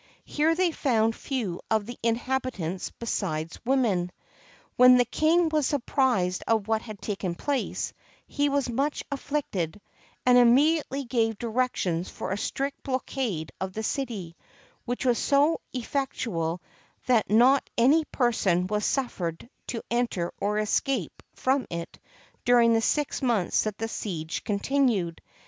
Here they found few of the inhabitants besides women. When the king was apprised of what had taken place, he was much afflicted, and immediately gave directions for a strict blockade of the city, which was so effectual that not any person was suffered to enter or to escape from it during the six months that the siege continued.